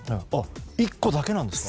１個だけなんですか。